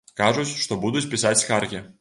Кажуць, што будуць пісаць скаргі.